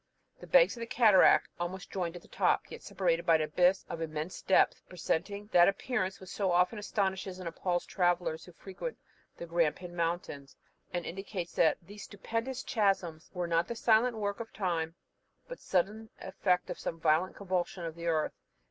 The banks of the cataract almost joined at the top, yet separated by an abyss of immense depth, presenting that appearance which so often astonishes and appals travellers who frequent the Grampian Mountains, and indicates that these stupendous chasms were not the silent work of time, but the sudden effect of some violent convulsion of the earth.